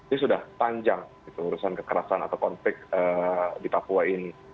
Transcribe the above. ini sudah panjang urusan kekerasan atau konflik di papua ini